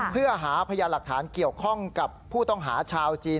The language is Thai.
เพื่อหาพยานหลักฐานเกี่ยวข้องกับผู้ต้องหาชาวจีน